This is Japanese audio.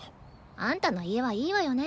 あんたの家はいいわよね。